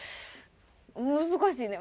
難しいね。